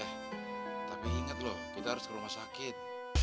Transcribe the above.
eh tapi ingat loh kita harus ke rumah sakit